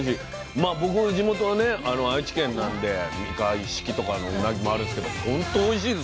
まあ僕地元はね愛知県なんで三河一色とかのうなぎもあれですけどほんとおいしいですこれも。